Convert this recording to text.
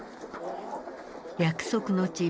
約束の地